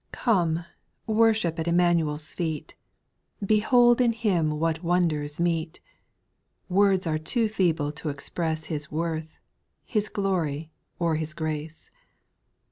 /^OMEf worship at EmmanueFs feet ; \j Behold in Him what wonders meet ! Words are too feeble to express His worth, His glory, or His grace.